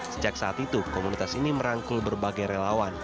sejak saat itu komunitas ini merangkul berbagai relawan